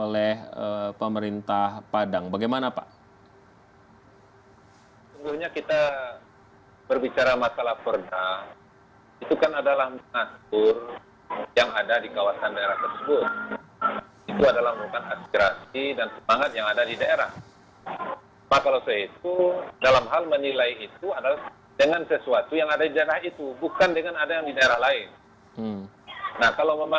tentu tidak pantas